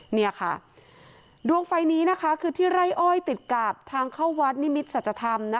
นี่ค่ะดวงไฟนี้นะคะคือที่ไร่อ้อยติดกับทางเข้าวัดนิมิตรสัจธรรม